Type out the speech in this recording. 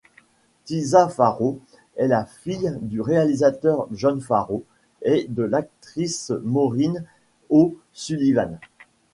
Tisa Farrow est la fille du réalisateur John Farrow, et de l'actrice Maureen O'Sullivan.